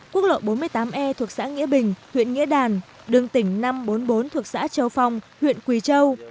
quốc lộ bốn mươi tám e thuộc xã nghĩa bình huyện nghĩa đàn đường tỉnh năm trăm bốn mươi bốn thuộc xã châu phong huyện quỳ châu